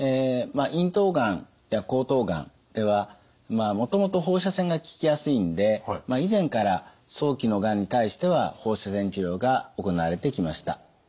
咽頭がんや喉頭がんではもともと放射線が効きやすいんで以前から早期のがんに対しては放射線治療が行われてきました。